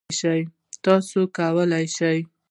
تاسو کولی شئ